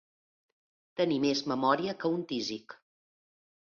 Tenir més memòria que un tísic.